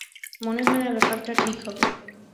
মনে হয় না ব্যাপারটা ঠিক হবে।